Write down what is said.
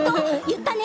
言ったね。